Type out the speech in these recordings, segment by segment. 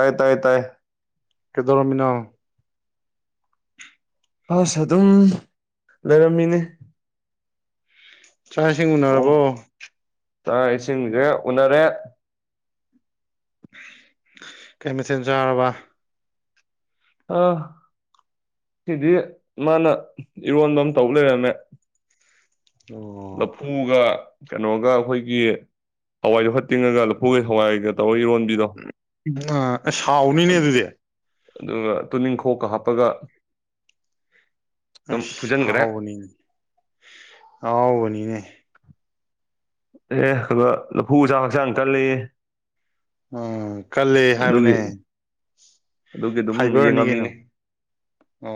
ꯇꯥꯏ ꯇꯥꯏ ꯇꯥꯏ ꯀꯦꯗꯣꯔꯃꯤꯅꯥ ꯑꯥꯁ ꯑꯗꯨꯝ ꯂꯩꯔꯝꯃꯤꯅꯦ ꯆꯥꯛ ꯏꯁꯤꯡ ꯎꯅꯔꯕꯣ ꯇ ꯏꯁꯤꯡꯒꯦ ꯎꯅꯔꯦ ꯀꯩꯃꯤ ꯆꯤꯟꯖꯔꯕ ꯑꯥ ꯁꯤꯗꯤ ꯃꯥꯅ ꯏꯔꯣꯟꯕ ꯑꯃ ꯇꯧ ꯂꯩꯔꯝꯃꯦ ꯑꯣ ꯂꯐꯨꯒ ꯀꯩꯅꯣꯒ ꯑꯩꯈꯣꯏꯒꯤ ꯍꯋꯥꯏꯗꯣ ꯍ ꯇꯤꯡꯉꯒ ꯂꯐꯨꯒ ꯍꯋꯥꯏꯒ ꯇꯧꯔꯒ ꯏꯔꯣꯟ ꯑ ꯁꯥꯎꯅꯤꯅꯦ ꯑꯗꯨꯗꯤ ꯑꯗꯨꯒ ꯇꯨꯅꯤꯡꯈꯣꯛꯀ ꯍꯥꯞꯄꯒ ꯑ ꯑꯗꯨꯝ ꯐꯨꯖꯤꯟꯈ꯭ꯦ ꯑꯍꯥꯎꯕꯅꯤꯅꯦ ꯑꯍꯥꯎꯕꯅꯤꯅꯦ ꯑꯦ ꯈ ꯂꯐꯨ ꯆꯥꯛ ꯍꯛꯆꯥꯡ ꯀꯜꯂꯤ ꯎꯝ ꯀꯜꯂ ꯍꯥꯏꯕꯅꯦ ꯑꯗꯨꯒꯤ ꯑꯗꯨꯝ ꯐꯥꯏꯕꯔꯅꯤ ꯀꯩꯅꯣ ꯌꯦꯡꯉꯝꯃꯤꯅꯤ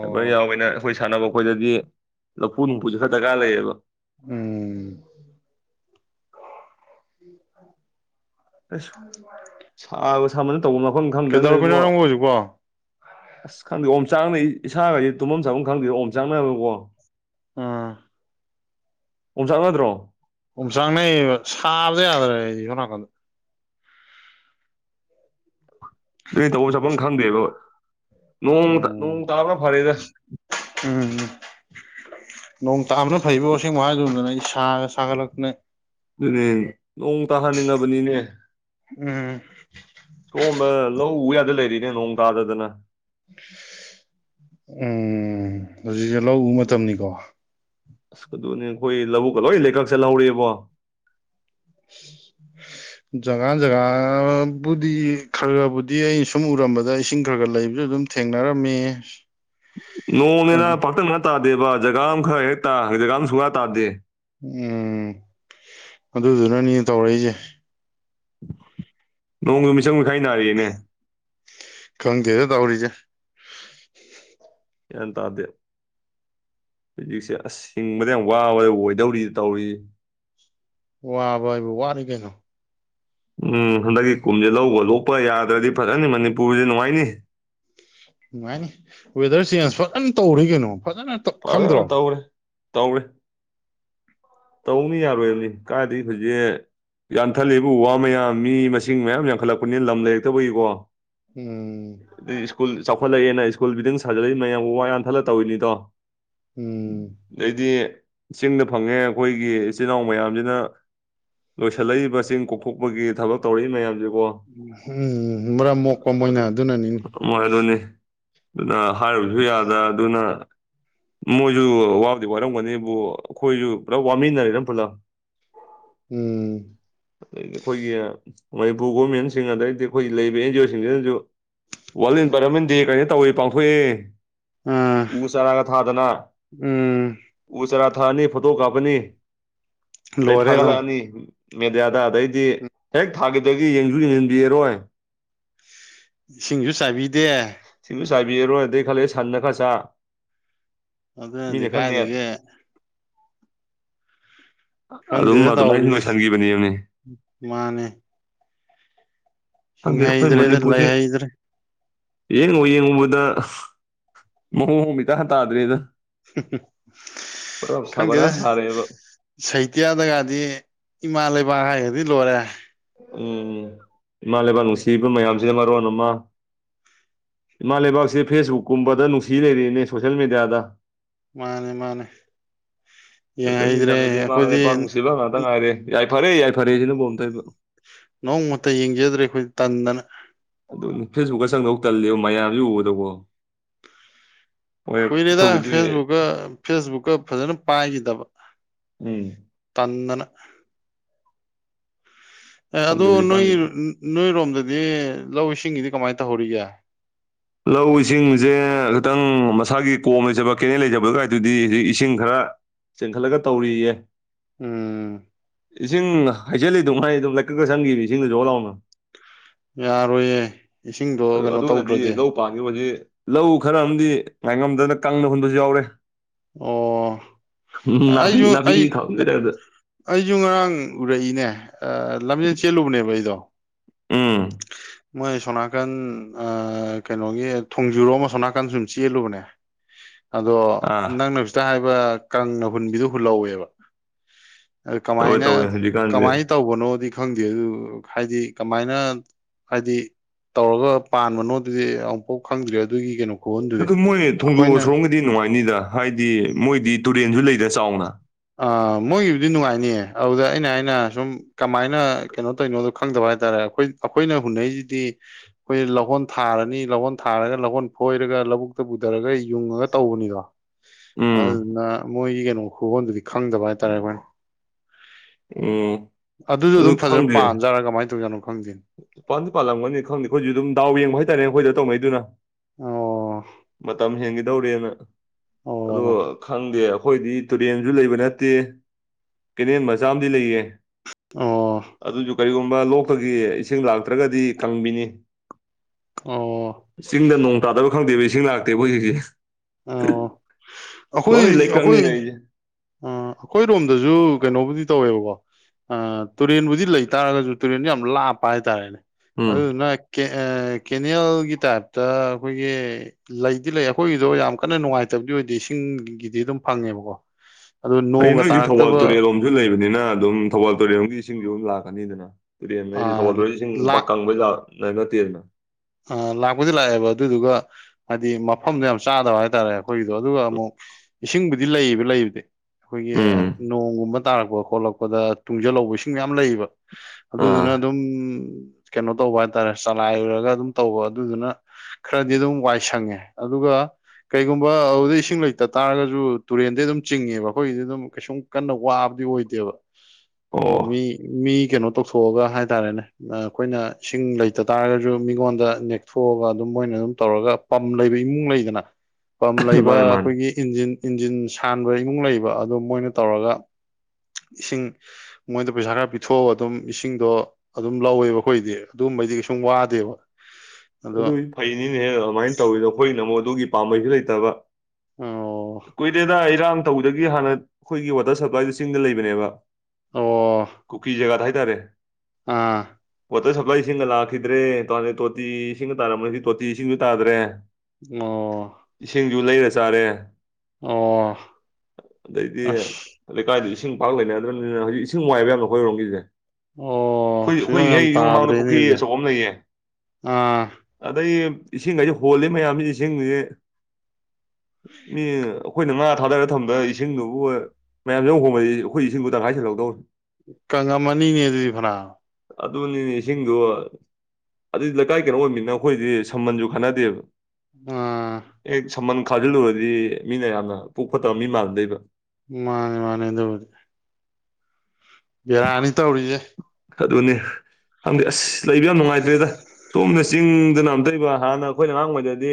ꯍꯥꯏꯕ ꯌꯥꯎꯋꯦꯅ ꯑꯩꯈꯣꯏ ꯁꯥꯟꯅꯕ ꯑꯩꯈꯣꯏꯗꯗꯤ ꯂꯐꯨ ꯍꯨꯝꯐꯨꯁꯦ ꯈꯔ ꯗꯔꯀꯥꯔ ꯂꯩꯌꯦꯕ ꯎꯝ ꯑꯁ ꯁꯥꯕ ꯁꯥꯃꯅ ꯇꯧꯕ ꯃꯐꯝ ꯈꯪꯗ ꯅ ꯀꯩꯗꯧꯔꯝꯃꯤꯅꯣ ꯏꯕꯣ ꯅꯪꯕꯨ ꯍꯧꯖꯤꯛꯄꯣ ꯑꯁ ꯈꯪꯗꯦ ꯑꯣꯝ ꯆꯥꯛꯅꯩ ꯏꯁꯥꯒꯗꯤ ꯇꯨꯝꯐꯝ ꯆꯥꯐꯝ ꯈꯪꯗꯦꯗ ꯑꯣꯝ ꯆꯥꯛꯅꯅꯕꯀꯣ ꯑꯥ ꯎꯨꯝ ꯆꯥꯡ ꯉꯗ꯭ꯔꯣ ꯑꯣꯨꯝꯁꯥꯡꯅꯩ ꯁꯥꯕꯗꯤ ꯌꯥꯗ꯭ꯔꯦ ꯑꯩ ꯍꯣ ꯅꯥꯀꯟꯗ ꯅ ꯇꯧꯕ ꯆꯄꯐꯝ ꯈꯪꯗꯦꯕ ꯅꯣꯡ ꯎꯝ ꯅꯣꯡ ꯇꯥꯕꯅ ꯐꯔꯦꯗ ꯎꯝꯝ ꯅꯣꯡ ꯇꯥꯕꯅ ꯐꯩꯕ ꯋꯥꯁꯦꯡꯕ ꯍꯥꯏꯗꯨꯗꯅ ꯑꯩ ꯏꯁꯥꯒ ꯁꯥꯒꯠꯂꯛꯇꯅꯦ ꯑꯗꯨꯅꯦ ꯅꯣꯡ ꯇꯥꯍꯟꯅꯤꯡꯉꯕꯅꯤꯅꯦ ꯎꯝ ꯁꯣꯝꯕ ꯂꯧ ꯎ ꯌꯥꯗ ꯂꯩꯔꯤꯅꯦ ꯅꯣꯡ ꯇꯥꯗꯗꯅ ꯎꯝ ꯍꯧꯖꯤꯛꯁꯦ ꯂ ꯎ ꯃꯇꯝꯅꯤꯀꯣ ꯑꯁ ꯑꯗꯨꯅꯦ ꯑꯩꯈꯣꯏ ꯂꯧꯕꯨꯛꯀ ꯂꯣꯏ ꯂꯩꯀꯛ ꯆꯠꯍꯧꯔꯤꯑꯕ ꯎꯝ [unintelligible] ꯖꯒꯥ ꯖꯒꯥꯕꯨꯗꯤ ꯈꯔ ꯈꯕꯨꯗꯤ ꯑꯩꯅ ꯁꯨꯝ ꯎꯔꯝꯕꯗ ꯏꯁꯤꯡ ꯈꯔ ꯈꯔ ꯂꯩꯕꯁꯨ ꯑꯗꯨꯝ ꯁꯨꯝ ꯊꯦꯡꯅꯔꯝꯃꯤ ꯅꯣꯡꯅꯤꯅ ꯑꯗꯨ ꯄꯥꯛꯇꯛ ꯉ ꯇꯥꯗꯦꯕ ꯖꯒꯥ ꯑꯃ ꯈꯔ ꯍꯦꯛꯛꯇꯥ ꯖꯒꯥ ꯑꯃ ꯁꯨꯡꯒꯥ ꯇꯥꯗꯦ ꯎꯝ ꯑꯗꯨꯗꯨꯅꯅꯦ ꯇꯧꯔꯛꯏꯁꯦ ꯅꯣꯡꯗꯨ ꯃꯤꯆꯪ ꯃꯤꯈꯥꯏ ꯅꯥꯔꯤꯑꯅꯦ ꯈꯪꯒꯦꯗ ꯇꯎꯔꯤꯁꯦ ꯌꯥꯟ ꯇꯥꯗ ꯍꯧꯖꯤꯛꯁꯦ ꯑꯁ ꯍꯤꯡꯕꯗ ꯌꯥꯝ ꯋꯥꯕꯗ ꯑꯣꯏꯗꯧꯔꯤ ꯇꯧꯔꯤ ꯋꯥꯕ ꯍꯥꯏꯕꯨ ꯋꯥꯔ ꯀꯩꯅꯣ ꯎꯝ ꯍꯟꯗꯛꯀꯤ ꯀꯨꯝꯁꯦ ꯂꯧꯕ ꯂꯣꯛꯄ ꯌꯥꯗ꯭ꯔꯗꯤ ꯐꯖꯅꯤ ꯃꯅꯤꯄꯨꯔꯁꯦ ꯅꯨꯡꯉꯥꯏꯅꯤ ꯅꯨꯡꯉꯥꯏꯅꯤ ꯋꯦꯗꯔ ꯆꯦꯟꯖ ꯐꯖꯅ ꯇꯧꯔꯤ ꯀꯩꯅꯣ ꯐꯖꯅ ꯄꯥꯂꯦꯅ ꯈꯪꯗ꯭ꯔꯣ ꯇꯧꯔꯦ ꯇꯧꯔꯦ ꯇꯧꯅꯤ ꯌꯥꯔꯣꯏꯕꯅꯤ ꯀꯥꯏꯗꯒꯤꯩ ꯍꯧꯖꯤꯛ ꯌꯥꯟꯊꯠꯂꯦꯕ ꯎ ꯋꯥ ꯃꯌꯥꯝ ꯃꯤ ꯃꯁꯤꯡ ꯃꯌꯥꯝ ꯌꯥꯟꯈꯠꯂꯛꯄꯅꯤꯅ ꯂꯝ ꯂꯩꯔꯛꯇꯕꯒꯤꯀꯣ ꯎꯝ ꯑꯗꯩ ꯁ꯭ꯀꯨꯜ ꯆꯥꯎꯈꯠꯂꯛꯑꯦꯅ ꯁ꯭ꯀꯨꯜ ꯕꯤꯗꯤꯡ ꯁꯥꯖꯔꯂꯛꯏ ꯃꯌꯥꯝꯕꯨ ꯋꯥ ꯌꯥꯟꯊꯜꯂ ꯇꯧꯔꯤꯅꯤꯗꯣ ꯎꯝ ꯑꯩꯗꯤ ꯁꯤꯡꯗ ꯐꯪꯉꯦ ꯑꯩꯈꯣꯏꯒꯤ ꯏꯆꯤꯜ ꯏꯅꯥꯎ ꯃꯌꯥꯝꯁꯤꯅ ꯂꯣꯏꯁꯤꯜꯂꯛꯏꯕ ꯆꯤꯡ ꯀꯣꯛꯊꯣꯛꯄꯒꯤ ꯊꯕꯛ ꯇꯧꯔꯛꯏ ꯃꯌꯥꯝꯁ ꯎ ꯎꯝ ꯃꯔꯝ ꯃꯣꯛꯄ ꯃꯣꯏꯅ ꯑꯗꯨꯅꯅꯤꯅꯤ ꯃꯣꯏ ꯑꯗꯨꯅꯤ ꯑꯗꯨꯅ ꯍꯥꯏꯨꯕꯁꯨ ꯌꯥꯗ꯭ꯔ ꯑꯗꯨꯅ ꯃꯣꯏꯁꯨ ꯋꯥꯕꯨꯗꯤ ꯋꯥꯔꯝꯒꯅꯤꯕꯨ ꯑꯩꯈꯣꯏꯁꯨ ꯄꯨꯂꯞ ꯋꯥꯃꯤꯟꯅꯔꯦꯔ ꯄꯨꯂ ꯎꯝ ꯈꯣꯏ ꯃꯅꯤꯄꯨꯔ ꯒꯣꯔꯃꯦꯟꯁꯤꯡ ꯑꯗꯩꯗꯤ ꯑꯩꯈꯣꯏꯒꯤ ꯂꯩꯔꯤꯕ ꯑꯦꯟ ꯖꯤ ꯑꯣꯁꯤꯡꯁꯤꯅꯁꯨ ꯋꯥꯔꯜ ꯏꯟꯚꯥꯏꯔꯣꯟꯃꯦꯟ ꯗꯦ ꯀꯩꯅ ꯇꯧꯏꯦ ꯄꯥꯡꯊꯣꯛꯑꯦ ꯑꯥ ꯎꯁꯥꯔꯥꯒ ꯊꯥꯗꯅ ꯎꯝ ꯎ ꯆꯔꯥ ꯊꯛꯑꯅꯤ ꯐꯣꯇꯣ ꯀꯥꯞꯄꯅꯤ ꯑꯗꯩ ꯂꯣꯏꯔꯦ ꯑꯗꯨꯝ ꯊꯥꯒꯠꯂꯛꯑꯅꯤ ꯃꯦꯗꯤꯌꯥꯗ ꯑꯗꯩꯗꯤ ꯍꯦꯛ ꯊꯥꯒꯤꯗꯗꯒꯤ ꯌꯦꯡꯁꯨ ꯌꯦꯡꯁꯤꯟꯕꯤꯔꯣꯏ ꯁꯤꯡꯁꯨ ꯆꯥꯕꯤꯗꯦ ꯁꯥꯕꯤꯔꯣꯗꯩ ꯈꯂꯤ ꯁꯥꯟꯅ ꯈ ꯁꯥꯥ ꯑꯗꯨꯗ ꯅꯗꯤ ꯀꯥꯏꯗꯗꯒꯤ ꯑꯗꯨꯝ ꯈꯪꯗꯦꯗ ꯑꯗꯨꯃꯥꯏ ꯇꯧꯔꯤꯁꯦ ꯂꯣꯏꯁꯤꯟꯈꯤꯕꯅꯤꯅꯤ ꯃꯥꯅꯦ ꯪꯗꯦ ꯑꯩꯈꯣꯏ ꯍꯤꯡꯍꯩꯗ꯭ꯔꯦꯗ ꯃꯅꯤꯄꯨꯔꯁꯦ ꯂꯩꯍꯩꯗ꯭ꯔꯦ ꯌꯦꯡꯉꯨ ꯌꯦꯡꯉꯨꯕꯗ ꯄꯨꯔꯥ ꯈꯪꯗꯦꯗ ꯁꯥꯕꯅꯥꯁ ꯁꯥꯔꯦꯕ ꯁꯍꯤꯇ꯭ꯌꯥ ꯒꯥꯗꯤ ꯏꯃꯥ ꯂꯩꯕ ꯍꯥꯏ ꯑꯗꯨꯗꯤ ꯂꯣꯏꯔꯦ ꯎꯝꯃ ꯂꯩꯦꯕꯥꯛ ꯅꯨꯡꯁꯤꯕ ꯃꯌꯥꯝꯁꯤꯗ ꯃꯔꯔꯋꯥ ꯅꯃ ꯏꯃꯥ ꯂꯩꯕꯥꯛꯁꯦ ꯐꯦꯁꯕꯨꯛꯀꯨꯝꯕꯗ ꯅꯨꯡꯁꯤ ꯂꯩꯔꯤꯅꯦ ꯁꯣꯁꯦꯜ ꯃꯦꯗꯤꯌꯥꯗ ꯃꯥꯅꯦ ꯃꯥꯅꯦ ꯁꯣꯁꯦꯜ ꯌꯦꯡꯍꯩꯗ꯭ꯔꯦ ꯃꯤꯗꯤꯌꯥꯅꯗꯤ ꯑꯩꯈꯣꯏꯗꯤ ꯃꯥꯄ ꯅꯨꯡꯁꯤꯕ ꯉꯥꯛꯇ ꯉꯥꯏꯔꯦ ꯌꯥꯏ ꯐꯔꯦ ꯌꯥꯏ ꯐꯔꯦ ꯁꯤꯅ ꯣꯝꯇ ꯅꯣꯡꯃꯛꯇ ꯌꯦꯡꯖꯗ꯭ꯔꯦ ꯑꯩꯈꯣꯏ ꯇꯟꯗꯅ ꯑꯗꯨ ꯐꯦꯁꯕꯨꯛꯇ ꯆꯪꯗꯧ ꯇꯜꯜꯂꯤꯦꯕ ꯃꯌꯥꯝꯁꯨ ꯎꯒꯗꯧꯕꯣ ꯀꯨꯏꯔꯦꯗ ꯐꯦꯁꯕꯨꯛꯀ ꯐꯦꯁꯕꯨꯛꯀ ꯐꯖꯅ ꯄꯥꯏꯈꯤꯗꯕ ꯎꯝ ꯑꯅ ꯑꯦ ꯑꯗꯣ ꯈꯪꯗꯦ ꯅꯣꯏ ꯍꯧꯖꯤꯛꯀꯥꯟꯁꯤꯗꯤ ꯅꯣꯏꯔꯣꯝꯗꯗꯤ ꯂꯧ ꯏꯁꯤꯡꯒꯤꯗꯤ ꯀꯃꯥꯏ ꯇꯧꯍꯧꯔꯤꯒꯦ ꯂꯧ ꯏꯁꯤꯡꯖꯦ ꯈꯤꯇꯪ ꯃꯁꯥꯒꯤ ꯀꯣꯝ ꯂꯩꯖꯕ ꯀꯦꯅꯦꯟ ꯂꯩꯖꯕ ꯑꯗꯥꯏ ꯇꯨꯗꯤ ꯑꯖꯤꯛ ꯏꯁꯤꯡ ꯈꯔ ꯆꯦꯟꯈꯠꯂꯒ ꯇꯧꯔꯤꯌꯦ ꯎꯝ ꯏꯁꯤꯡ ꯍꯩꯖꯜꯂꯦꯗꯨꯉꯥꯏ ꯑꯗꯨꯝ ꯂꯩꯀꯛꯇ ꯆꯪꯒꯤꯃꯤ ꯏꯁꯤꯡꯗꯣ ꯖꯣ ꯂꯥꯎꯅ ꯌꯥꯔꯣꯏꯌꯦ ꯏꯁꯤꯡꯗꯣ ꯀꯩꯅꯣ ꯇꯧꯗ꯭ꯔꯗꯤ ꯋꯥꯖꯤ ꯂꯧ ꯈꯔ ꯑꯃꯗꯤ ꯉꯥꯏꯉꯝꯗꯅ ꯀꯪꯅ ꯍꯨꯟꯕꯖꯨ ꯌꯥꯎꯔꯦ ꯑꯣ ꯎꯝ ꯅꯥꯄꯤ ꯅꯥꯄꯤ ꯊꯥꯍꯨꯟꯕꯩ ꯇꯥꯏꯞꯇ ꯑꯩꯖꯨ ꯉꯔꯥꯡ ꯎꯔꯛꯏꯅꯦ ꯑ ꯂꯝꯖꯦꯟ ꯆꯦꯜꯂꯨꯕꯅꯦꯕ ꯑꯩꯗꯣ ꯎꯝ ꯃꯣꯏ ꯁꯣꯅꯥꯀꯟ ꯑ ꯀꯩꯅꯣꯒꯤ ꯊꯣꯡꯖꯨꯔꯣꯝ ꯑꯁꯣꯝꯅꯥꯀꯟ ꯁꯨꯝ ꯆꯦꯜꯂꯨꯕꯅꯦ [inaudible] ꯑꯗꯣ ꯑꯥ ꯅꯪꯅ ꯍꯧꯖꯤꯇ ꯍꯥꯏꯕ ꯀꯪꯒ ꯍꯨꯟꯕꯤꯗꯨ ꯍꯨꯜꯍꯧꯋꯦꯕ ꯑꯗꯨ ꯇꯧꯋꯦ ꯀꯃꯥꯏꯅ ꯇꯧꯋꯦ ꯍꯧꯖꯤꯛꯀꯥꯟꯁꯦ ꯀꯃꯥꯏ ꯇꯧꯕꯅꯣꯗꯤ ꯈꯪꯗꯦ ꯑꯗꯨ ꯍꯥꯏꯗꯤ ꯀꯃꯥꯏꯅ ꯍꯥꯏꯗꯤ ꯇꯧꯔꯒ ꯄꯥꯟꯕꯅꯣ ꯗꯤ ꯑꯃꯨꯛꯐꯥꯎ ꯈꯪꯗ꯭꯭ꯔꯤ ꯑꯗꯨꯒꯤ ꯀꯩꯅꯣ ꯈꯨꯍꯟꯗꯨꯗꯤ ꯑꯗꯨ ꯃꯣꯏ ꯊꯣꯡꯖꯨ ꯑꯩꯈꯣꯏꯅ ꯑꯁꯣꯝꯒꯤꯗꯤ ꯅꯨꯡꯉꯥꯏꯅꯤꯗ ꯍꯥꯏꯗꯤ ꯃꯣꯏꯗꯤ ꯇꯨꯔꯦꯟꯁꯨ ꯂꯩꯗ ꯆꯥꯎꯅ ꯑ ꯃꯣꯏꯒꯤꯕꯨꯗꯤ ꯅꯨꯡꯉꯥꯏꯅꯤꯌꯦ ꯑꯗꯨꯗ ꯑꯩꯅ ꯍꯥꯏꯅ ꯁꯨꯝ ꯀꯃꯥꯏꯅ ꯀꯩꯅꯣ ꯇꯧꯏꯅꯣꯗꯣ ꯈꯪꯗꯕ ꯀꯗꯧꯔꯦ ꯑꯩꯈꯣꯏ ꯑꯩꯈꯣꯏꯅ ꯍꯨꯟꯅꯩꯖꯤꯗꯤ ꯑꯩꯈꯣꯏꯖꯦ ꯂꯩꯍꯣꯟ ꯊꯥꯔꯅꯤ ꯂꯩꯍꯣꯟ ꯊꯥꯔꯒ ꯂꯩꯍꯣꯟ ꯐꯣꯏꯔ ꯀ ꯂꯧꯕꯨꯛꯇ ꯄꯨꯗꯔꯒ ꯌꯨꯡꯉꯒ ꯇꯧꯕꯅꯤꯗꯣ ꯎꯝ ꯑꯗꯨꯗꯨꯅ ꯃꯣꯏꯒꯤ ꯀꯩꯅꯣ ꯈꯨꯍꯣꯟꯗꯨꯗꯤ ꯈꯪꯗꯕ ꯍꯥꯏꯇꯥꯔꯦ ꯑꯩꯈꯣꯏꯅ ꯎꯝ ꯑꯗꯨꯖꯨ ꯑꯗꯨꯝ ꯑꯗꯨ ꯐꯖꯅ ꯈꯪꯗꯦ ꯄꯥꯟꯖꯔ ꯀꯃꯥꯏ ꯇꯧꯖꯅꯣ ꯄꯥꯟꯗꯤ ꯄꯥꯜꯂꯝꯒꯅꯤ ꯈꯪꯗꯦ ꯑꯩꯈꯣꯏꯗꯤ ꯑꯗꯨꯝ ꯗꯥꯎ ꯌꯦꯡꯕ ꯍꯥꯏꯇꯥꯔꯦ ꯑꯩꯈꯣꯏꯗ ꯇꯧꯅꯩꯗꯨꯅ ꯑꯣ ꯃꯇꯝ ꯍꯦꯟꯒꯤꯗꯧꯔꯦꯅ ꯑꯗꯣ ꯑꯣ ꯈꯪꯗꯦ ꯑꯩꯈꯣꯏꯗꯤ ꯇꯨꯔꯦꯟꯖꯨ ꯂꯩꯕ ꯅꯠꯇꯦ ꯀꯦꯅꯦꯟ ꯃꯆꯥ ꯑꯝꯗꯤ ꯂꯩꯌꯦ ꯑꯣ ꯑꯗꯨꯖꯨ ꯀꯔꯤꯒꯨꯝꯕ ꯂꯣꯛꯇꯒꯤ ꯏꯁꯤꯡ ꯂꯥꯛꯇ꯭ꯔꯒꯗꯤ ꯀꯪꯕꯤꯅꯤ ꯑꯣ ꯆꯤꯡꯗ ꯅꯣꯡ ꯇꯥꯗꯕ ꯈꯪꯗꯦꯕ ꯏꯁꯤꯡ ꯂꯥꯛꯇꯦꯕ ꯍꯧꯖꯤꯛꯁꯦ ꯑꯣ ꯂꯣꯏ ꯑꯈꯣꯏ ꯂꯩꯀꯪꯅꯤ ꯑꯈꯣꯏ ꯂꯩꯔꯤꯁꯦ ꯑ ꯑꯈꯣꯏꯔꯣꯝꯗꯖꯨ [unintelligible] ꯇꯧꯕꯨꯗꯤ ꯇꯧꯋꯦꯕꯀꯣ ꯑ ꯇꯨꯔꯦꯟꯕꯨꯗꯤ ꯂꯩꯇꯥꯔꯒꯖꯨ ꯇꯨꯔꯦꯟꯗꯣ ꯌꯥꯝ ꯂꯥꯞꯄ ꯍꯥꯏꯇꯔꯦꯅꯦ ꯎꯝ ꯑꯗꯨꯗꯨꯅ ꯑꯦꯑꯦ ꯀꯦꯅꯦꯜꯒꯤ ꯇꯥꯏꯞꯇ ꯑꯩꯈꯣꯏꯒꯤ ꯂꯩꯗꯤ ꯂꯩ ꯑꯩꯈꯣꯏꯒꯤ ꯑꯗꯣ ꯌꯥꯝ ꯀꯟꯅ ꯅꯨꯡꯉꯥꯏꯇꯕꯗꯤ ꯑꯣꯏꯗꯦ ꯏꯁꯤꯡꯒꯤꯗꯤ ꯑꯗꯨꯝ ꯐꯪꯉꯦꯕꯀꯣ ꯑꯗꯨ ꯐꯩꯌꯦ ꯅꯣꯡꯒ ꯅꯣꯏꯗꯤ ꯊꯧꯕꯥꯜ ꯇꯥꯔꯛꯇꯕ ꯇꯨꯔꯦꯜꯂꯣꯝꯖꯨ ꯂꯩꯕꯅꯤꯅ ꯑꯗꯨꯝ ꯊꯧꯕꯥꯜ ꯇꯨꯔꯦꯜꯂꯣꯝꯒꯤ ꯏꯁꯤꯡꯖꯨ ꯑꯗꯨꯝ ꯂꯥꯛꯀꯅꯤꯗꯅ ꯇꯨꯔꯦꯟ ꯍꯥꯏꯖꯦ ꯊꯧꯕꯥꯜ ꯇꯨꯔꯦꯟ ꯏꯁꯤꯡ ꯄꯥꯛ ꯀꯪꯕꯩꯖꯥꯜ ꯅ ꯅꯠꯇꯦꯗꯅ ꯑ ꯂꯥꯛꯄꯨꯗꯤ ꯂꯥꯛꯑꯦꯕ ꯑꯗꯨꯗꯨꯒ ꯍꯥꯏꯗꯤ ꯃꯐꯝꯗꯣ ꯌꯥꯝ ꯆꯥꯗꯕ ꯍꯥꯏꯇꯥꯔꯦ ꯑꯩꯈꯣꯏꯒꯤꯗꯣ ꯑꯗꯨꯒ ꯑꯃꯨꯛ ꯏꯁꯤꯡꯕꯨꯗꯤ ꯂꯩꯌꯦꯕ ꯂꯩꯕꯗꯤ ꯑꯩꯈꯣꯏꯒꯤ ꯎꯝ ꯅꯣꯡꯒꯨꯝꯕ ꯇꯥꯔꯛꯄ ꯈꯣꯠꯂꯛꯄꯗ ꯇꯨꯡꯖꯜꯍꯧꯕ ꯏꯁꯤꯡ ꯌꯥꯝ ꯂꯩꯌꯦꯕ ꯑꯥ ꯑꯗꯨꯗꯨꯅ ꯑꯗꯨꯝ ꯀꯩꯅꯣ ꯇꯧꯕ ꯍꯥꯏꯇꯥꯔꯦ ꯆꯂꯥꯏꯔꯒ ꯑꯗꯨꯝ ꯇꯧꯕ ꯑꯗꯨꯗꯨꯅ ꯈꯔꯗꯤ ꯑꯗꯨꯝ ꯋꯥꯏ ꯁꯪꯉꯦ ꯑꯗꯨꯒ ꯀꯩꯒꯨꯝꯕ ꯑꯗꯨꯗꯩ ꯏꯁꯤꯡ ꯂꯩꯇ ꯇꯥꯔꯒꯖꯨ ꯇꯨꯔꯦꯟꯗꯩ ꯑꯗꯨꯝ ꯆꯤꯡꯉꯦꯕ ꯑꯈꯣꯏꯒꯤꯗꯤ ꯑꯗꯨꯝ ꯀꯩꯁꯨꯝ ꯀꯟꯅ ꯋꯥꯕ ꯗꯤꯑꯣꯏꯗꯦꯕ ꯑꯣ ꯃꯤ ꯃꯤ ꯀꯩꯅꯣ ꯇꯧꯊꯣꯛꯑꯒ ꯍꯥꯏꯇꯥꯔꯦꯅꯦ ꯑ ꯑꯈꯣꯏꯅ ꯏꯁꯤꯡ ꯂꯩꯇ ꯇꯥꯔꯒꯖꯨ ꯃꯤꯉꯣꯟ ꯗ ꯅꯦꯛꯊꯣꯛꯑꯒ ꯑꯗꯨꯝ ꯃꯣꯏꯅ ꯑꯗꯨꯝ ꯇꯧꯔꯒ ꯄꯝ ꯂꯩꯕ ꯏꯃꯨꯡ ꯂꯩꯗꯅ ꯄꯝ ꯂꯩꯕ ꯃꯥꯅꯦ ꯃꯥꯅꯦ ꯑꯩꯈꯣꯏꯒꯤ ꯏꯟꯖꯤꯟ ꯏꯟꯖꯤꯟ ꯁꯥꯟꯕ ꯏꯃꯨꯡ ꯂꯩꯕ ꯑꯗꯨ ꯃꯣꯏꯅ ꯇꯧꯔꯒ ꯏꯁꯤꯡ ꯃꯣꯏꯗ ꯄꯩꯁꯥ ꯈꯔ ꯄꯤꯊꯣꯛꯑꯒ ꯑꯗꯨꯝ ꯏꯁꯤꯡꯗꯣ ꯑꯗꯨꯝ ꯂꯧꯋꯦꯕ ꯑꯩꯈꯣꯏꯗꯤ ꯑꯗꯨꯝ ꯕꯩꯗꯤ ꯀꯩꯁꯨꯝ ꯋꯥꯗꯦꯕ ꯑꯗꯣ ꯑꯗꯨꯒꯤꯗꯤ ꯐꯩꯅꯤꯅꯦꯍꯦ ꯑꯗꯨꯃꯥꯏ ꯇꯧꯋꯤꯗꯣ ꯑꯩꯈꯣꯏꯒꯤꯅ ꯑꯃꯨꯛ ꯑꯗꯨꯒꯤ ꯄꯥꯝꯕꯩꯖꯨ ꯂꯩꯇꯕ ꯑꯣ ꯀꯨꯏꯗꯦꯗ ꯏꯔꯝ ꯇꯧꯗꯒꯤ ꯍꯥꯟꯅ ꯑꯩꯈꯣꯏꯒꯤ ꯋꯥꯇ꯭ꯔ ꯁꯄ꯭ꯂꯥꯏꯗꯨ ꯆꯤꯡꯗ ꯂꯩꯕꯅꯦꯕ ꯑꯣ ꯀꯨꯀꯤ ꯖꯒꯥꯗ ꯍꯥꯏ ꯇꯥꯔꯦ ꯑꯥ ꯋꯥꯇꯔ ꯁꯄ꯭ꯂꯥꯏꯁꯤꯡꯒ ꯂꯥꯛꯈꯤꯗ꯭ꯔꯦ ꯇꯣ ꯍꯥꯟꯅ ꯇꯣꯇꯤ ꯏꯁꯤꯡꯒ ꯇꯥꯔꯝꯕꯅꯤ ꯇꯣꯇꯤ ꯏꯁꯤꯡꯁꯨ ꯇꯥꯗ꯭ꯔꯦ ꯑꯣ ꯨ ꯂꯩꯔ ꯆꯥꯔꯦ ꯑꯣ ꯑꯗꯩꯗꯤ ꯑꯁ ꯂꯩꯀꯥꯏꯗꯨ ꯏꯁꯤꯡ ꯄꯥꯛ ꯂꯩꯅꯗ꯭ꯔꯕꯅꯤꯅ ꯍꯧꯖꯤꯛ ꯏꯁꯤꯡꯅꯨꯡꯉꯥꯏꯕ ꯌꯥꯝꯅ ꯍꯈꯣꯏꯔꯣꯝꯒꯤꯁꯦ ꯍ ꯑꯣ ꯐꯤꯕꯝ ꯌꯥꯝ ꯍꯣꯏꯏꯍꯩ ꯌꯣꯡꯃꯥꯡꯗ ꯄꯨꯈ꯭ꯔꯤ ꯇꯥꯗ꯭ꯔꯦꯅꯦꯗꯤ ꯑꯆꯧꯕ ꯑꯃ ꯂꯩꯌꯦ ꯑꯥ ꯑꯗꯩ ꯏꯁꯤꯡꯈꯁꯤ ꯍꯣꯜꯂꯤ ꯃꯌꯥꯝꯁꯤ ꯏꯁꯤꯡꯁꯦ ꯃꯤ ꯑꯩꯈꯣꯏꯅ ꯉꯥ ꯊꯥꯗꯔꯒ ꯊꯝꯕ ꯏꯁꯤꯡꯗꯨꯕꯨ ꯃꯌꯥꯝꯁ ꯌ ꯍꯣꯡꯕꯕꯁꯤ ꯀꯪꯂꯪꯉ ꯑꯅꯤꯅꯦ ꯑꯗꯨꯗꯤ ꯐꯅꯥ ꯑꯗꯨꯅꯤꯅꯦ ꯏꯁꯤꯡꯗꯣ ꯑꯗꯨꯗꯤ ꯂꯩꯀꯥꯏ ꯀꯩꯅꯣ ꯑꯣꯏꯃꯤꯅ ꯑꯩꯈꯣꯏꯗꯤ ꯁꯃꯟꯁꯨ ꯈꯅꯗꯦꯕ ꯑꯥ ꯑꯦ ꯁꯃꯟ ꯈꯥꯖꯤꯜꯂꯨꯔꯗꯤ ꯃꯤꯅ ꯌꯥꯝꯅ ꯄꯣꯛ ꯐꯠꯇꯕ ꯃꯤ ꯃꯥꯟꯅꯗꯣꯏꯕ ꯃꯥꯅꯦ ꯃꯥꯅꯦ ꯑꯣꯏꯗꯤ ꯕꯤꯔꯥꯅꯤ ꯇꯧꯔꯤꯁꯦ ꯑꯗꯨꯅꯦ ꯍꯪꯗꯤ ꯑꯁ ꯂꯩꯕ ꯌꯥꯝ ꯅꯨꯡꯉꯥꯏꯇ꯭ꯔꯦꯗ ꯁꯣꯝꯅ ꯆꯤꯡꯗꯅ ꯑꯝꯇꯏꯕ ꯍꯥꯟꯅ ꯑꯩꯈꯣꯏꯅ ꯑꯉꯥꯡꯉꯩꯗꯗꯤ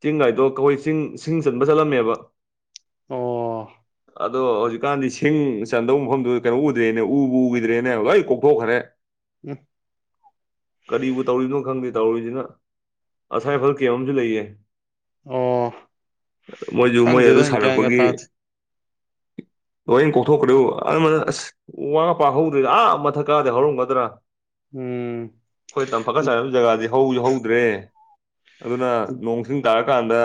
ꯆꯤꯡꯒꯥꯏꯗꯣ ꯑꯩꯈꯣꯏ ꯆꯤꯡ ꯁꯤꯡ ꯆꯟꯕ ꯆꯠꯂꯝꯃꯦꯕ ꯑꯣ ꯑꯗꯣ ꯍꯧꯖꯤꯛꯀꯥꯟꯗꯤ ꯁꯤꯡ ꯆꯟꯗꯕ ꯃꯐꯝꯗꯨꯗ ꯀꯩꯅꯣ ꯎꯗ꯭ꯔꯦꯅꯦ ꯎꯕꯨ ꯎꯈꯤꯗ꯭ꯔꯦꯅꯦ ꯂꯣꯏ ꯀꯣꯛꯊꯣꯛꯈ꯭ꯔꯦ ꯎꯝ ꯀꯔꯤꯕꯕꯨ ꯇꯧꯔꯤꯅꯣ ꯈꯪꯗꯦ ꯇꯧꯔꯤꯁꯤꯅ ꯑꯁꯥꯐꯜ ꯀꯌꯥ ꯑꯃꯁꯝ ꯂꯩꯌꯦ ꯑꯣ ꯃꯣꯏꯁꯨ ꯃꯣꯏ ꯑꯗꯨ ꯈꯪꯗꯦꯗ ꯒ꯭ꯌꯥꯟꯒ ꯁꯥꯥꯟꯔꯛꯄꯒꯤ ꯇꯥꯗꯦ ꯂꯣꯢ ꯀꯣꯊꯣ ꯀ ꯑ ꯃ ꯑꯁ ꯋꯥ ꯉ ꯄꯥꯛ ꯍꯧꯗ꯭ꯔꯤꯗ ꯑꯥ ꯃꯊꯛ ꯀꯥꯗꯤ ꯍꯧꯔꯝꯒꯗ꯭ꯔꯥ ꯎꯝ ꯑꯩꯈꯣꯏ ꯇꯝ ꯐꯀꯠ ꯆꯥꯏꯅꯕ ꯖꯒꯥꯗꯤ ꯍꯧꯁꯨ ꯍꯧꯗ꯭ꯔꯦ ꯑꯗꯨꯅ ꯅꯣꯡꯁꯤꯡ ꯇꯥꯔꯀꯥꯟꯗ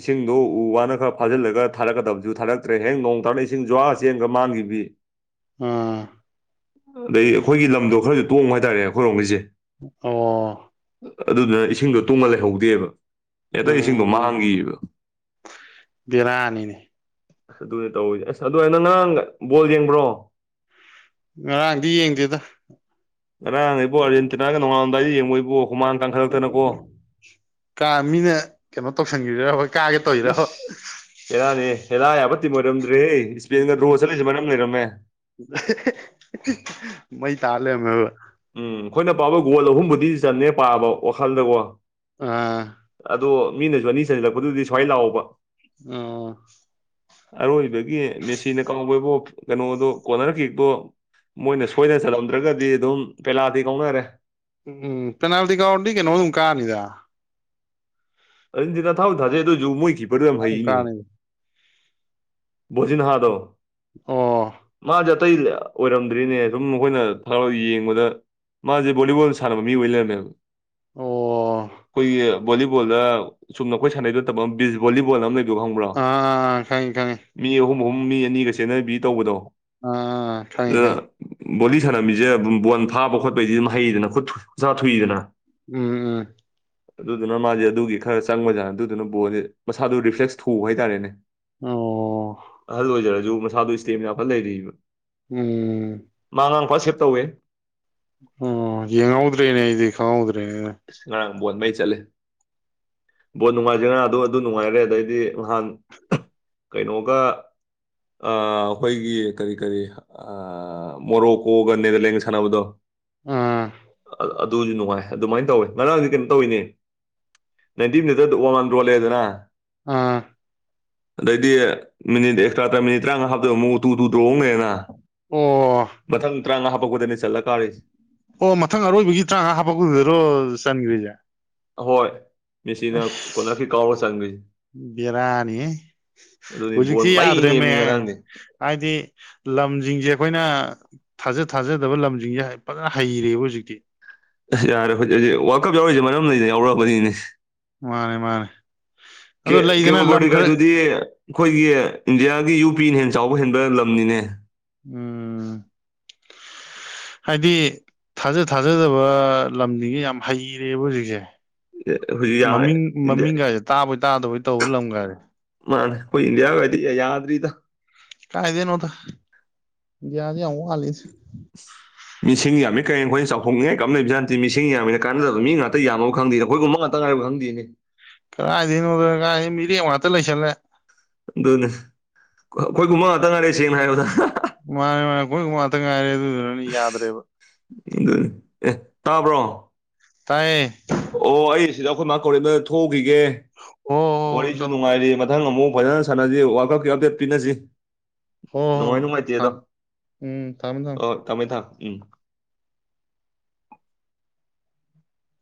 ꯏꯁꯤꯡꯗꯣ ꯎ ꯋꯥꯅ ꯈꯔ ꯐꯥꯖꯤꯜꯂꯒ ꯊꯥꯔꯛꯀꯗꯕꯁꯨ ꯊꯥꯔꯛꯇ꯭ꯔꯦ ꯍꯌꯦ ꯅꯣꯡ ꯇꯥꯔꯅ ꯏꯁꯤꯡ ꯖꯨꯋꯥ ꯆꯦꯟꯒ ꯃꯥꯡꯈꯤꯕ [inaudible] ꯑꯥ ꯑꯗꯩ ꯑꯩꯈꯣꯏꯒꯤ ꯂꯝꯗꯣ ꯈꯔꯗꯤ ꯇꯣꯡꯕ ꯍꯥꯏꯇꯥꯔꯦ ꯑꯩꯈꯣꯏꯔꯣꯝꯒꯤꯁꯦ ꯑꯣ ꯑꯗꯨꯗꯨꯅ ꯏꯁꯤꯡꯗꯣ ꯇꯨꯡꯉ ꯂꯩꯍꯧꯗꯦꯕ ꯑꯇꯩ ꯏꯁꯤꯡꯗꯣ ꯎꯝ ꯃꯥꯡꯒꯤꯌꯦꯕ ꯕꯦꯔꯥꯅꯤꯅꯦ ꯑꯗꯨꯅꯦ ꯇꯧꯋꯁꯦ ꯑꯁ ꯑꯗꯨ ꯅꯪ ꯅꯔꯥꯡ ꯕꯣꯜ ꯌꯦꯡꯕ꯭ꯔꯣ ꯉꯔꯥꯡꯗꯤ ꯌꯦꯡꯗꯦꯗ ꯉꯥꯔꯥꯡ ꯏꯕꯣ ꯑꯔꯖꯦꯟꯇꯅꯥꯒ ꯅꯅꯨꯡꯉꯥꯏꯗꯤ ꯌꯦꯡꯉꯣ ꯏꯕꯣ ꯀꯨꯃꯥꯡ ꯇꯥꯡꯈꯠꯂꯛꯇꯅꯀꯣ ꯀꯥ ꯃꯤꯅ ꯀꯩꯅꯣ ꯇꯧꯁꯟꯈꯤꯔ ꯍꯣꯏ ꯀꯥꯒ ꯇꯧꯔꯤꯔꯕ ꯗꯤ ꯃꯔꯝꯗ꯭ꯔꯦ ꯍꯦ ꯏꯁꯄꯦꯟꯒ ꯔꯣ ꯆꯠꯂꯤꯁꯦ ꯃꯔꯝ ꯂꯩꯔꯝꯃꯦ ꯃꯣꯏ ꯇꯥꯂꯦꯃꯦ ꯍꯕ ꯎꯝ ꯑꯩꯈꯣꯏꯅ ꯄꯥꯕ ꯒꯣꯜ ꯑꯍꯨꯝꯕꯨꯗꯤ ꯆꯟꯅꯦ ꯄꯥꯕꯣ ꯋꯥꯈꯜꯗꯀꯣ ꯑꯥ ꯑꯗꯣ ꯃꯤꯅꯁꯨ ꯑꯅꯤ ꯆꯟꯁꯤꯜꯂꯛꯄꯗꯨꯗꯤ ꯁ꯭ꯋꯥꯏ ꯂꯥꯛꯕ ꯑ ꯑꯔꯣꯏꯕꯒꯤ ꯃꯦꯁꯤꯅ ꯀꯥꯎꯕꯕꯨ ꯀꯩꯅꯣꯗꯣ ꯀꯣꯅꯔ ꯀꯦꯛꯇꯣ ꯃꯣꯏꯅ ꯁꯣꯏꯗ ꯆꯠꯂꯝꯗ꯭ꯔꯒꯗꯤ ꯑꯗꯨꯝ ꯀꯩꯂꯥꯗꯤ ꯀꯧꯅꯔꯦ ꯎꯝ ꯄꯦꯅꯥꯜꯇꯤ ꯀꯥꯎ ꯅ ꯀꯦꯅꯦ ꯃ ꯑꯗꯨ ꯀꯥꯅꯤꯗ ꯑꯔꯟꯖꯤꯅ ꯊꯥꯎ ꯊꯥꯖꯩ ꯑꯗꯨꯁꯨ ꯃꯣꯏ ꯈꯤꯕꯗꯨ ꯌꯥꯝ ꯑꯗꯨꯝ ꯍꯩꯅꯦꯍ ꯀꯥꯅꯤꯗ ꯖꯤꯅꯍꯗꯣ ꯑꯣ ꯃꯥꯗ ꯑꯇꯩ ꯑꯣꯏꯔꯝꯗ꯭ꯔꯤꯅꯦ ꯑꯗꯨꯝ ꯃꯈꯣꯏꯅ ꯊ ꯌꯦꯡꯕꯗ ꯃꯥꯁꯦ ꯕꯣꯂꯤꯕꯣꯜ ꯁꯅ ꯃꯤ ꯋꯂꯌꯝ ꯑꯣ ꯑꯩꯈꯣꯏꯒꯤ ꯚꯣꯂꯤꯕꯣꯜꯗ ꯁꯨꯝꯅ ꯑꯩꯈꯣꯏ ꯁꯥꯟꯅꯩꯗꯨ ꯕꯤꯁ ꯚꯣꯂꯤꯕꯣꯜ ꯑꯃ ꯂꯩ ꯑꯗꯨ ꯈꯪꯕ꯭ꯔꯥ ꯑꯥ ꯈꯪꯉꯤ ꯈꯪꯉꯤ ꯃꯤ ꯑꯍꯨꯝ ꯑꯍꯨꯝ ꯃꯤ ꯑꯅꯤꯒ ꯁꯦꯟꯅꯕꯤ ꯇꯧꯕꯗꯣ ꯑꯥ ꯐꯥꯏ ꯑꯗꯨꯅ ꯐꯥꯏ ꯕꯣꯂꯤ ꯁꯥꯟꯅꯝꯃꯤꯁꯦꯝ ꯕꯣꯜ ꯐꯥꯕ ꯈꯣꯠꯄꯩꯁꯤꯗꯤ ꯃꯍꯩꯗꯅ ꯈꯨꯠ ꯈꯨꯠꯁꯥ ꯊꯨꯏꯗꯅ ꯎ ꯎꯝ ꯎꯝ ꯑꯗꯨꯗꯨꯅ ꯃꯥꯁꯦ ꯑꯗꯨꯒꯤ ꯈꯔ ꯆꯪꯕꯖꯥꯠꯅ ꯑꯗꯨꯗꯨꯅ ꯕꯣꯜꯁꯦ ꯃꯁꯥꯗꯨꯣ ꯔꯤꯐ꯭ꯂꯦꯛꯁ ꯊꯎ ꯍꯥꯏꯇꯥꯔꯦꯅꯦ ꯑꯣ ꯑꯍꯜ ꯑꯣꯏꯖꯔꯁꯨ ꯃꯁꯥꯗꯨ ꯏꯁꯇꯦꯝ ꯌꯥꯝꯐꯅ ꯂꯩꯔꯤꯕ ꯎꯝ ꯄꯁꯦꯞ ꯇꯧꯋꯦ ꯑꯣ ꯌꯦꯡꯍꯧꯗ꯭ꯔꯦꯅꯦ ꯑꯩꯗꯤ ꯈꯪꯍꯧꯗ꯭ꯔꯦꯅꯦ ꯉꯔꯥꯡ ꯕꯣꯟꯕꯩ ꯆꯠꯂꯤ ꯕꯣꯠ ꯅꯨꯡꯉꯥꯏꯖꯔꯤꯉꯥ ꯑꯗꯨ ꯑꯗꯨ ꯅꯨꯡꯉꯥꯏꯔꯦ ꯑꯗꯩꯗꯤ ꯅꯍꯥꯟ ꯀꯩꯅꯣꯒ ꯑꯩꯈꯣꯏꯒꯤ ꯀꯔꯤ ꯀꯔꯤ ꯃꯣꯔꯣꯀꯣꯒ ꯅꯦꯗꯔꯂꯦꯟꯒ ꯁꯥꯟꯅꯕꯗꯣ ꯑꯥ ꯑꯗꯨ ꯑꯗꯨꯖꯅꯅꯨꯡꯥꯏ ꯑꯗꯨꯃꯥꯏꯅ ꯇꯧꯋꯦ ꯉꯔꯥꯡꯗꯤ ꯀꯩꯅꯣ ꯇꯧꯋꯤꯅꯤ ꯅꯥꯏꯟꯇꯤ ꯃꯤꯇꯔꯗ ꯋꯥꯡꯃꯥꯟ ꯔꯣꯜꯂꯦꯗꯅ ꯑꯥ ꯑꯗꯩꯗꯤ ꯃꯤꯅꯤꯠ ꯑꯦꯛꯁꯇ꯭ꯔꯥ ꯇꯔꯥ ꯃꯤꯅꯤꯠ ꯇꯔꯥꯃꯉꯥ ꯍꯥꯞꯇꯕ ꯃꯑꯣꯛ ꯎꯇꯨ ꯇꯨ ꯇ꯭ꯔꯣꯍꯣꯡꯅꯦꯅ ꯑꯣ ꯃꯊꯪ ꯇ꯭ꯔꯥꯡ ꯉ ꯍꯥꯄꯣꯛꯄꯗꯔꯅꯤ ꯁꯜꯂ ꯀꯥ ꯑꯣ ꯃꯊꯪ ꯑꯔꯣꯏꯕꯒꯤ ꯇꯔꯥꯃꯉꯥ ꯍꯥꯞꯄꯛꯄꯨꯗꯨꯗꯔꯣ ꯆꯟꯈ꯭ꯔꯤꯁꯦ ꯍꯣꯏ ꯃꯦꯁꯤꯅ ꯀꯂꯀꯤ ꯀꯥꯎꯔ ꯆꯠ ꯕꯤꯔꯅꯤ ꯑꯗꯨꯅꯤ ꯕꯣꯟ ꯍꯧꯖꯤꯛꯁꯤ ꯃꯩ ꯅꯦꯝꯅꯤ ꯌꯥꯗ꯭ꯔꯦꯅꯦꯍ ꯉꯔꯥꯡꯗꯤ ꯍꯥꯏꯗꯤ ꯂꯝꯁꯤꯡꯁꯦ ꯑꯩꯈꯣꯏꯅ ꯊꯥꯖ ꯊꯥꯖꯗꯕ ꯂꯝꯁꯤꯡꯁꯦ ꯐꯖꯅ ꯍꯩꯔꯦꯕ ꯍꯧꯖꯤꯛꯇꯤ ꯑꯁ ꯌꯥꯔꯦ ꯍꯧꯖꯤꯛ ꯍꯧꯖꯤꯛ ꯋꯥꯔꯜ ꯀꯞ ꯌꯥꯎꯔꯤꯁꯦ ꯃꯔꯝ ꯂꯩꯅ ꯌꯥꯎꯔꯛꯑꯕꯅꯤꯅꯦ ꯃꯥꯅꯦ ꯃꯥꯅꯦ ꯑꯗꯣ ꯂꯩꯗꯅ ꯂꯝ ꯈꯔ ꯀꯦꯕꯣꯕꯗꯤꯒꯥꯏꯗꯨꯗꯤ ꯑꯩꯈꯣꯏꯒꯤ ꯏꯟꯗꯤꯌꯥꯒꯤ ꯌꯨ ꯄꯤꯅ ꯍꯦꯟ ꯆꯥꯎꯕ ꯍꯦꯟꯕ ꯂꯝꯅꯤꯅꯦ ꯎꯝ [inaudible] ꯍꯥꯏꯗꯤ ꯊꯥꯖ ꯊꯥꯖꯗꯕ ꯂꯝꯁꯤꯁ ꯌꯥꯝ ꯍꯩꯔꯦꯕ ꯍꯧꯖꯤꯛꯁꯦ ꯍꯧꯖꯤꯛ ꯌꯥꯔꯦ ꯃꯃꯤꯡ ꯏꯟꯗꯤꯌꯥ ꯃꯃꯤꯡ ꯀꯥꯏꯁꯦ ꯇꯥꯕꯩ ꯇꯥꯗꯕꯩ ꯇꯧꯕ ꯂꯝ ꯀꯥꯏꯔꯦ ꯃꯥꯅꯦ ꯀꯣꯏ ꯏꯗꯤꯌꯥ ꯑꯣꯏꯗꯤ ꯌꯥꯗꯔꯤꯗ ꯀꯥꯏꯗꯅꯣꯗ ꯌꯥꯗꯤ ꯑ ꯍꯁꯤ [inaudible] ꯃꯤꯁꯤꯡ ꯌꯥꯝꯃꯤ ꯀꯩꯩꯅ ꯑꯩꯈꯣꯏꯅ ꯆꯥꯎꯊꯣꯛꯅꯤꯡꯉ ꯀꯝꯅ ꯂꯩꯕꯦ ꯍꯥꯟꯇꯤ ꯃꯤꯁꯤꯡ ꯌꯥꯝꯃꯤꯅ ꯀꯥꯟꯅꯗꯕ ꯃꯤ ꯉꯥꯛꯇ ꯌꯥꯝꯅꯕꯕ ꯈꯪꯗꯦꯗ ꯑꯩꯈꯣꯏꯒꯨꯝꯕ ꯉꯥꯛꯇ ꯀꯕꯨ ꯈꯪꯗꯦꯅꯦ ꯀꯗꯥꯥꯏꯗꯅꯣꯗ ꯀꯥꯏ ꯃꯤꯔꯦꯡ ꯉꯥꯛꯇ ꯂꯩꯁꯜꯂꯦ ꯑꯗꯨꯅꯦ ꯑꯩꯈꯣꯏꯒꯨꯝꯕ ꯉꯥꯛꯇ ꯉꯥꯏꯔꯦ ꯁꯦꯡꯅ ꯍꯥꯏꯔꯕꯗ ꯃꯥꯅꯦ ꯃꯥꯅꯦ ꯑꯩꯈꯣꯏ ꯉꯥꯛꯇ ꯉꯥꯏꯔꯦ ꯑꯗꯨꯗꯨꯅꯅꯤ ꯌꯥꯗ꯭ꯔꯦꯕ ꯑꯗꯨꯅꯤ ꯑꯦ ꯇꯥꯕ꯭ꯔꯣ ꯇꯥꯏꯌꯦ ꯑꯣ ꯑꯩ ꯁꯤꯗ ꯑꯩꯈꯣꯏ ꯃꯥ ꯀꯧꯔꯤꯝꯅ ꯊꯣꯛꯈꯤꯒꯦ ꯍꯣ ꯍꯣ ꯍꯣ ꯋꯥꯔꯤꯁꯨ ꯆꯠꯂꯣ ꯆꯠꯂꯣ ꯅꯨꯡꯉꯥꯏꯔꯤ ꯃꯊꯪ ꯑꯃꯨꯛ ꯐꯣꯏꯖꯅ ꯁꯥꯟꯅꯁꯤ ꯋꯥꯔꯜ ꯀꯞꯀꯤ ꯑꯞꯗꯦꯠ ꯄꯤꯅꯁꯤ ꯍꯣ ꯍꯣ ꯅꯉꯥꯏ ꯍꯣꯏ ꯅꯨꯡꯉꯥꯏꯇꯦꯗꯣ ꯊꯝ ꯑ ꯇꯃꯦ ꯊ ꯎꯝ